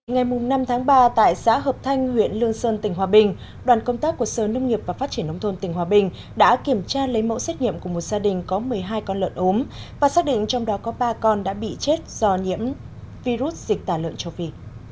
ngày năm tháng ba tại xã hợp thanh huyện lương sơn tỉnh hòa bình đoàn công tác của sở nông nghiệp và phát triển nông thôn tỉnh hòa bình đã kiểm tra lấy mẫu xét nghiệm của một gia đình có một mươi hai con lợn ốm và xác định trong đó có ba con đã bị chết do nhiễm virus dịch tả lợn châu phi